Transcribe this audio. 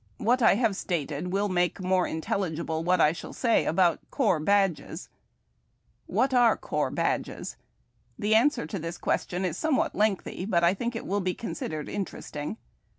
What I have stated will make more intelligible what I shall say about CORPS BADGES. Wliat are corps badges ? The answer to this question is somewhat lengthy, but I tliiidc it will be considered interest ing.